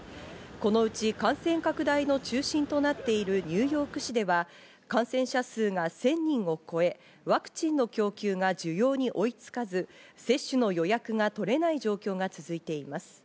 このうち感染拡大の中心となっているニューヨーク市では感染者数が千人を超え、ワクチンの供給が需要に追いつかず、接種の予約が取れない状況が続いています。